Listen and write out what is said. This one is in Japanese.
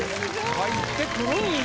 入ってくるんや。